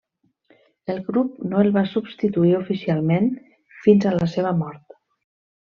El grup no el va substituir oficialment fins a la seva mort.